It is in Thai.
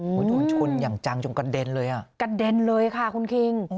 ถึงดูคุณหย่างจังจงกระเด็นเลยอ่ะกระเด็นเลยค่ะคุณคริง